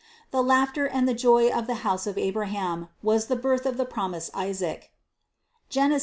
The laughter and the joy of the house of Abraham was the birth of the promised Isaac (Genes.